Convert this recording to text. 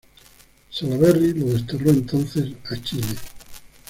Salaverry lo desterró entonces a Chile.